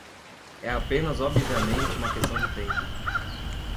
É apenas obviamente uma questão de tempo.